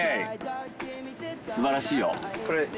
素晴らしいよ。